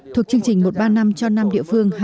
thuộc chương trình một mươi ba năm cho nam địa phương